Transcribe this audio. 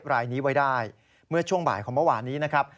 รายนี้ไว้ได้เมื่อช่วงบ่ายของเมื่อวานนี้นะครับ